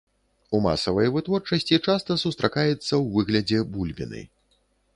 У масавай вытворчасці часта сустракаецца ў выглядзе бульбіны.